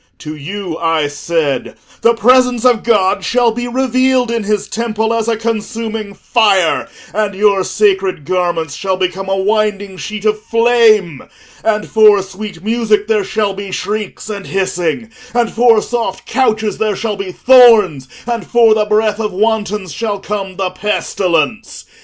To you, I said, the presence of God shall be revealed in his temple as a consuming fire, and your sacred garments shall become a winding sheet of flame, and for sweet music there shall be shrieks and hissing, and for soft couches there shall be thorns, and for the breath of wantons shall come the pestilence.